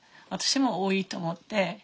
私も多いと思って。